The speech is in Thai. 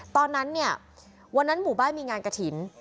ตอนนั้นเนี่ยวันนั้นหมู่บ้านมีงานกระถิ่น